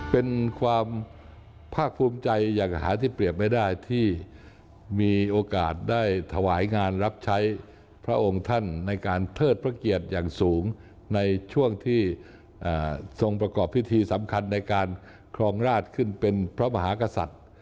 เป็นความภาคภูมิใจอย่างหาที่เปรียบไม่ได้ที่มีโอกาสได้ถวายงานรับใช้พระองค์ท่านในการเทิดพระเกียรติอย่างสูงในช่วงที่ทรงประกอบพิธีสำคัญในการครองราชขึ้นเป็นพระมหากษัตริย์